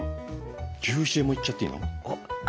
牛ヒレもいっちゃっていいのかな。